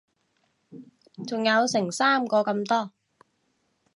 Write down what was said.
仲有成三個咁多